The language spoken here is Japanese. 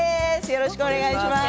よろしくお願いします。